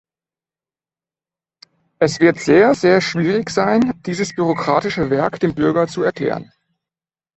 Es wird sehr, sehr schwierig sein, dieses bürokratische Werk dem Bürger zu erklären.